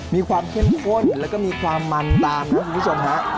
มีความเข้มข้นแล้วก็มีความมันตามนะคุณผู้ชมฮะ